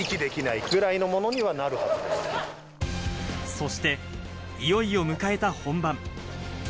そして、いよいよ迎えた本番。